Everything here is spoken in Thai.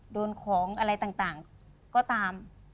โดนของอะไรต่างก็ตาม